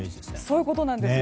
そういうことなんです。